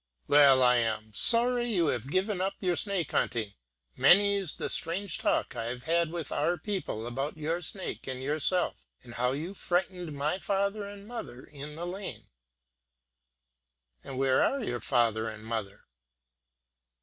"Well, I am sorry you have given up your snake hunting; many's the strange talk I have had with our people about your snake and yourself, and how you frightened my father and mother in the lane." "And where are your father and mother?"